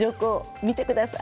見てくださいって。